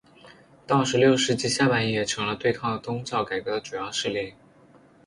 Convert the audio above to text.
到十六世纪下半叶成了对抗宗教改革的主要势力。